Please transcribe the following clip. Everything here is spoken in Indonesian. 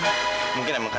rizky kenapa amira